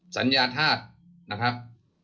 สัญญาธาตุนะครับ